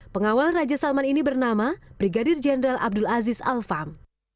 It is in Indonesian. pengawal raja salman ini bernama brigadir jenderal abdul aziz alfam